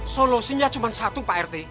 solusinya cuma satu pak rt